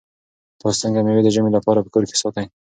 تاسو څنګه مېوې د ژمي لپاره په کور کې ساتئ؟